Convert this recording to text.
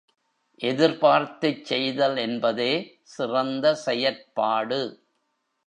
எதிர்பார்த்துச் செய்தல் என்பதே சிறந்த செயற்பாடு.